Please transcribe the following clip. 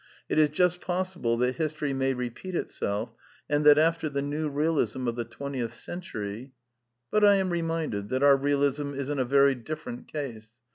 It is just possible that history may repeat it self, and that after tiie New Bealism of the twentieth century But I am reminded that our Bealism is in a very dif ferent case.